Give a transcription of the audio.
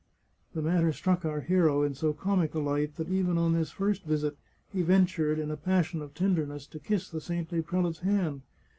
The matter struck our hero in so comic a light that even on this first visit he ventured, in a passion of tenderness, to kiss the saintly prelate's hand.